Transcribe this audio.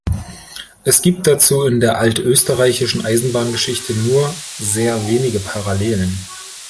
Es gibt dazu in der altösterreichischen Eisenbahngeschichte nur sehr wenige Parallelen.